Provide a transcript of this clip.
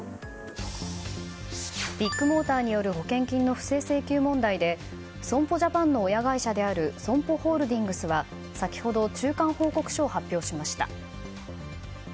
ビッグモーターによる保険金の不正請求問題で損保ジャパンの親会社であるＳＯＭＰＯホールディングスは先ほど中間報告書を発表しました。